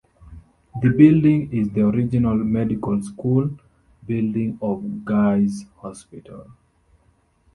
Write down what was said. The building is the original medical school building of Guy's Hospital.